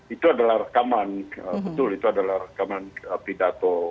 itu adalah rekaman betul itu adalah rekaman pidato